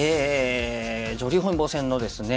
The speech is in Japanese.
女流本因坊戦のですね